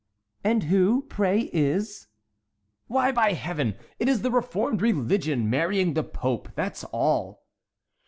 "And who, pray, is?" "Why, by Heaven! it is the reformed religion marrying the pope—that's all."